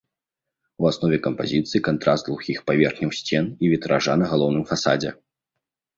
У аснове кампазіцыі кантраст глухіх паверхняў сцен і вітража на галоўным фасадзе.